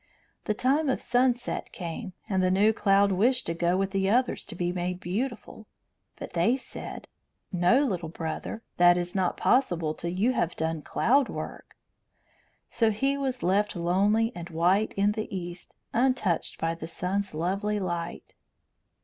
The time of sunset came, and the new cloud wished to go with the others to be made beautiful. But they said: "No, little brother; that is not possible till you have done cloud work." So he was left lonely and white in the east, untouched by the sun's lovely light.